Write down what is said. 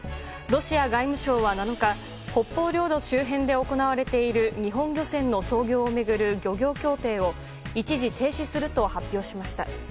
ロシア外務省は７日北方領土周辺で行われている日本漁船の操業を巡る漁業協定を一時停止すると発表しました。